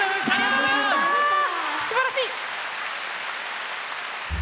すばらしい！